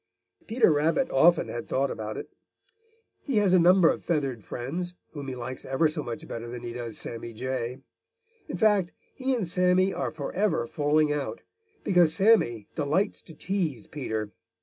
Peter Rabbit often had thought about it. He has a number of feathered friends whom he likes ever so much better than he does Sammy Jay. In fact, he and Sammy are forever falling out, because Sammy delights to tease Peter.